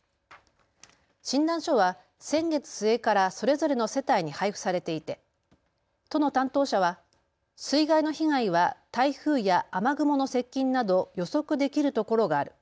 診断書は先月末からそれぞれの世帯に配布されていて都の担当者は水害の被害は台風や雨雲の接近など予測できるところがある。